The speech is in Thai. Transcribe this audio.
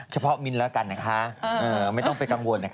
มิ้นแล้วกันนะคะไม่ต้องไปกังวลนะคะ